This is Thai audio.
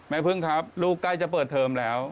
แม่พึ่งครับลูกใกล้จะเปิดเทอมแล้ว